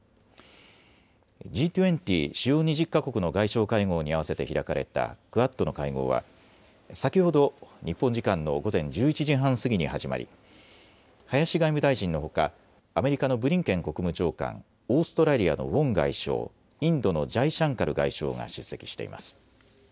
Ｇ２０・主要２０か国の外相会合にあわせて開かれたクアッドの会合は先ほど日本時間の午前１１時半過ぎに始まり、林外務大臣のほか、アメリカのブリンケン国務長官、オーストラリアのウォン外相、インドのジャイシャンカル外相が出席しています。